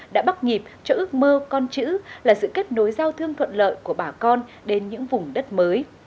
đã bắt nhịp cho ước mơ con chữ là sự kết nối giao thương thuận lợi của bà con đến những vùng đất mới